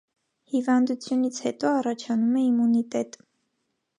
Հիվանդությունից հետո առաջանում է իմունիտետ։